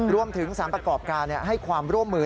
รวมถึงสารประกอบการให้ความร่วมมือ